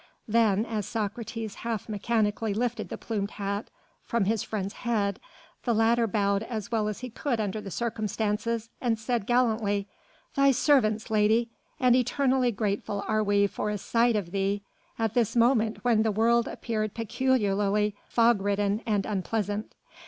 Then, as Socrates half mechanically lifted the plumed hat from his friend's head, the latter bowed as well as he could under the circumstances and said gallantly: "Thy servants, lady, and eternally grateful are we for a sight of thee at this moment when the world appeared peculiarly fog ridden and unpleasant.